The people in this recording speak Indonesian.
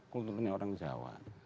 kulturnya orang jawa